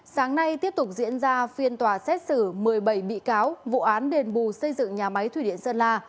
sáng nay tiếp tục diễn ra phiên tòa xét xử một mươi bảy bị cáo vụ án đền bù xây dựng nhà máy thủy điện sơn la